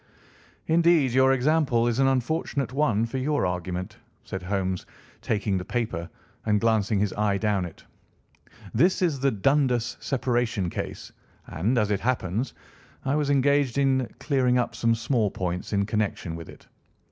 "Indeed, your example is an unfortunate one for your argument," said Holmes, taking the paper and glancing his eye down it. "This is the Dundas separation case, and, as it happens, I was engaged in clearing up some small points in connection with it.